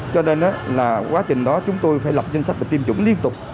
cho nên là quá trình đó chúng tôi phải lập danh sách và tiêm chủng liên tục